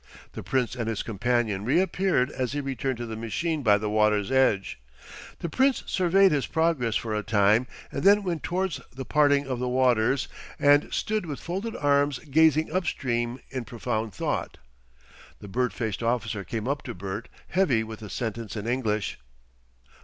The Prince and his companion reappeared as he returned to the machine by the water's edge. The Prince surveyed his progress for a time, and then went towards the Parting of the Waters and stood with folded arms gazing upstream in profound thought. The bird faced officer came up to Bert, heavy with a sentence in English.